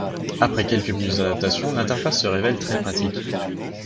Après quelques minutes d'adaptation, l'interface se révèle très pratique.